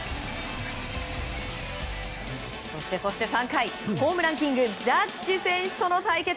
そして３回、ホームランキングジャッジ選手との対決。